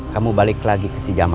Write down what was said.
kamu balik lagi ke si jama